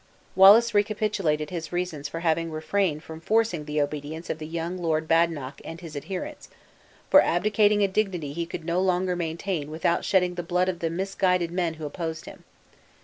Wallace recapitulated his reasons for having refrained from forcing the obedience of the young Lord Badenoch and his adherents; for abdicating a dignity he could no longer maintain without shedding the blood of the misguided men who opposed him.